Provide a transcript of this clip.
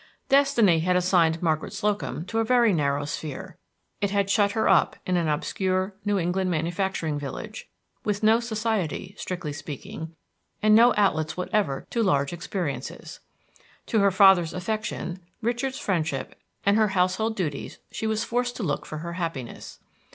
Destiny had assigned Margaret Slocum to a very narrow sphere; it had shut her up in an obscure New England manufacturing village, with no society, strictly speaking, and no outlets whatever to large experiences. To her father's affection, Richard's friendship, and her household duties she was forced to look for her happiness.